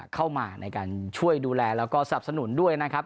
เข้ามาในการช่วยดูแลแล้วก็สนับสนุนด้วยนะครับ